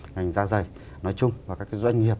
ngành da dày nói chung và các doanh nghiệp